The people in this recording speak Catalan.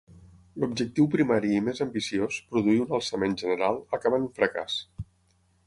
L'objectiu primari i més ambiciós, produir un alçament general, acabà en un fracàs.